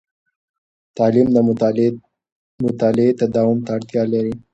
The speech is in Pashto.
تعلیم د مطالعې تداوم ته اړتیا لري.